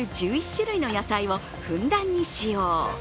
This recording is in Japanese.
１１種類の野菜をふんだんに使用。